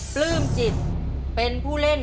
ปลื้มจิตเป็นผู้เล่น